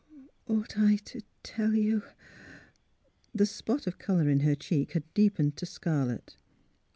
'' Ought I— to tell you? " The spot of colour in her cheek had deepened to scarlet.